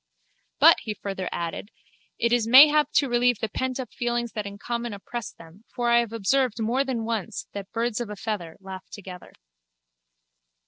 But, he further added, it is mayhap to relieve the pentup feelings that in common oppress them for I have more than once observed that birds of a feather laugh together.